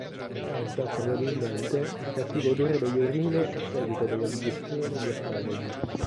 Causa, probabilmente, il cattivo odore delle urine a seguito della digestione degli asparagi.